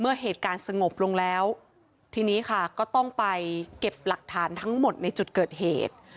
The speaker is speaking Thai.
เหตุการณ์สงบลงแล้วทีนี้ค่ะก็ต้องไปเก็บหลักฐานทั้งหมดในจุดเกิดเหตุ